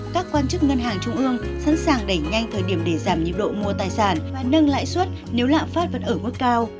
các quan chức ngân hàng trung ương sẵn sàng đẩy nhanh thời điểm để giảm nhiệt độ mua tài sản nâng lãi suất nếu lạm phát vẫn ở mức cao